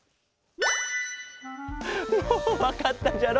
もうわかったじゃろ？